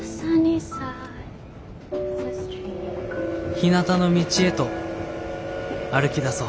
「ひなたの道へと歩きだそう」。